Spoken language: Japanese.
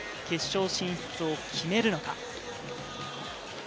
決勝進出を決めるのか。